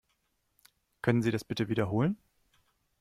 Können Sie das bitte wiederholen?